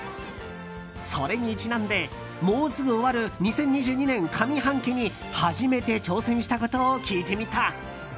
それにちなんで、もうすぐ終わる２０２２年上半期に初めて挑戦したことを聞いてみた。